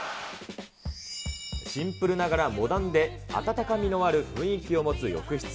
シンプルながらモダンで、温かみのある雰囲気を持つ浴室。